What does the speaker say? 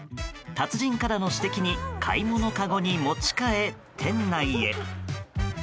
達人からの指摘に買い物かごに持ち替え、店内へ。